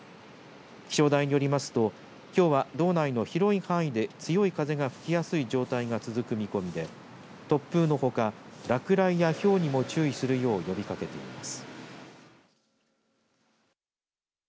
気象台によりますと、きょうは道内の広い範囲で強い風が吹きやすい状態が続く見込みで突風のほか、落雷やひょうにも注意するよう呼びかけています。